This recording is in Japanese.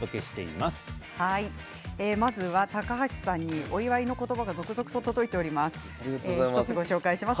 まずは、高橋さんにお祝いの言葉が続々と届いています。